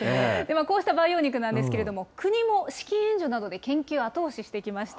こうした培養肉なんですけれども、国も資金援助などで研究を後押ししてきました。